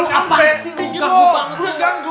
lo ganggu banget